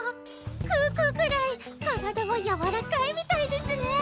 可可くらい体はやわらかいみたいですね！